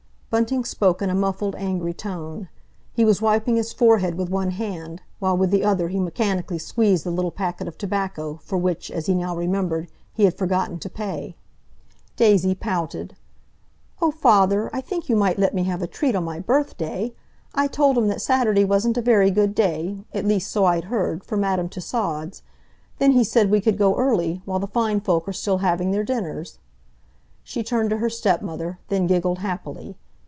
Bunting spoke in a muffled, angry tone. He was wiping his forehead with one hand, while with the other he mechanically squeezed the little packet of tobacco, for which, as he now remembered, he had forgotten to pay. Daisy pouted. "Oh, father, I think you might let me have a treat on my birthday! I told him that Saturday wasn't a very good day—at least, so I'd heard—for Madame Tussaud's. Then he said we could go early, while the fine folk are still having their dinners." She turned to her stepmother, then giggled happily.